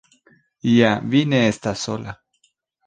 Ja vi ne estas sola.